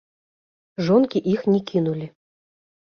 Жонкі іх не кінулі.